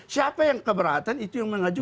siapa yang keberatan itu yang mengajukan